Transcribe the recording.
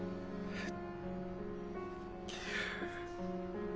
えっ？